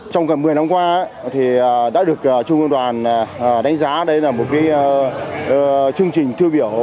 trong gần một mươi năm qua thì đã được trung ương đoàn đánh giá đây là một chương trình tiêu biểu